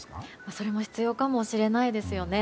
それも必要かもしれないですよね。